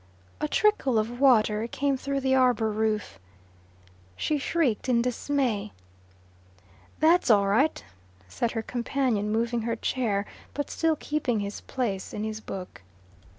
A trickle of water came through the arbour roof. She shrieked in dismay. "That's all right," said her companion, moving her chair, but still keeping his place in his book.